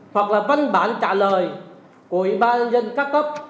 hoặc là văn bản trả lời của ủy ba nhân dân ca cấp